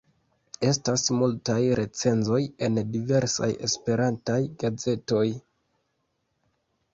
Estas multaj recenzoj en diversaj Esperantaj gazetoj.